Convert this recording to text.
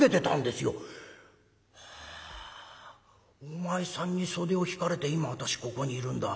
お前さんに袖を引かれて今私ここにいるんだ。